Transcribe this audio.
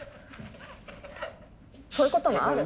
そういうこともある。